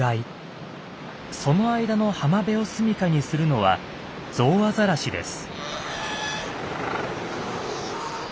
その間の浜辺を住みかにするのはゾウアザラシです。